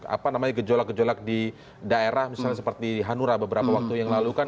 apa namanya gejolak gejolak di daerah misalnya seperti hanura beberapa waktu yang lalu kan